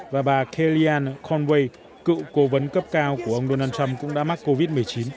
và bà kellian connwei cựu cố vấn cấp cao của ông donald trump cũng đã mắc covid một mươi chín